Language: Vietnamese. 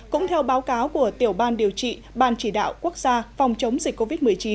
cũng theo báo cáo của tiểu ban điều trị ban chỉ đạo quốc gia phòng chống dịch covid một mươi chín